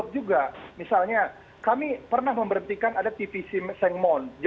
juga berlaku atau nanti akan ada pemisahan